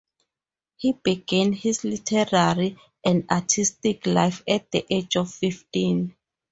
He began his literary and artistic life at the age of fifteen.